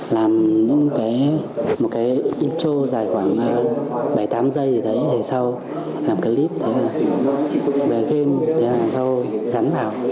làm những intro dài khoảng bảy tám giây làm clip về game gắn vào